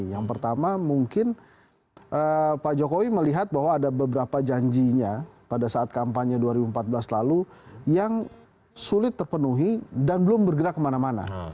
yang pertama mungkin pak jokowi melihat bahwa ada beberapa janjinya pada saat kampanye dua ribu empat belas lalu yang sulit terpenuhi dan belum bergerak kemana mana